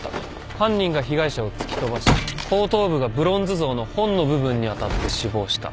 犯人が被害者を突き飛ばし後頭部がブロンズ像の本の部分に当たって死亡した。